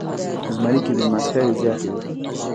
زمری کې میلمستیاوې زیاتې وي.